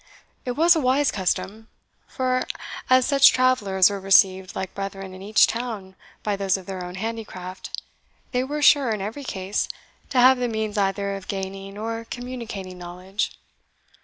It was a wise custom; for, as such travellers were received like brethren in each town by those of their own handicraft, they were sure, in every case, to have the means either of gaining or communicating knowledge.